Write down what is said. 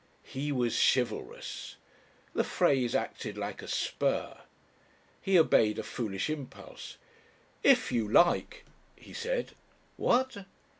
He was chivalrous! The phrase acted like a spur. He obeyed a foolish impulse. "If you like " he said. "What?"